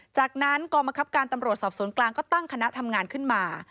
จากนั้นกองบังคับการตำรวจสอบสวนกลางก็ตั้งคณะทำงานขึ้นมา